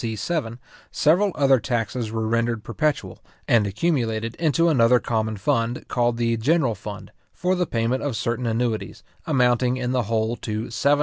c. 7, several other taxes were rendered perpetual, and accumulated into another common fund, called the general fund, for the payment of certain annuities, amounting in the whole to £724,849:6:10½.